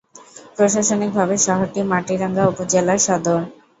প্রশাসনিকভাবে শহরটি মাটিরাঙ্গা উপজেলার সদর।